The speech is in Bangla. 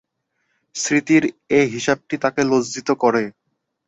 স্মৃতির এ হিসাবটি তাকে লজ্জিত করে।